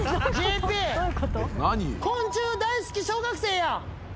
昆虫大好き小学生やん。